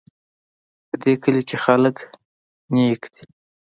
په دې کلي کې خلک نیک دي